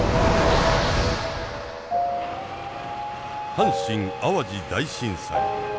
阪神・淡路大震災。